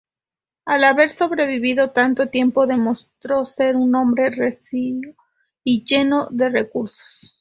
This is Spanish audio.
Al haber sobrevivido tanto tiempo, demostró ser un hombre recio y lleno de recursos.